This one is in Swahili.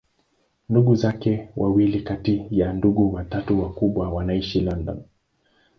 Ndugu zake wawili kati ya ndugu watatu wakubwa wanaishi London.